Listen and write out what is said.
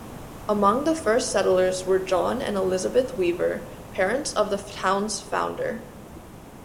Among the first settlers were John and Elizabeth Weaver, parents of the town's founder.